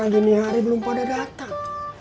hari ini belum pada datang